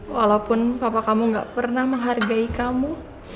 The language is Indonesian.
walaupun papa kamu gak pernah menghargai kamu